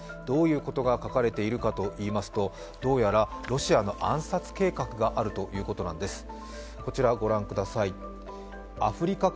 どういうことが書かれているかといいますとどうやらロシアの暗殺計画があるということなんです。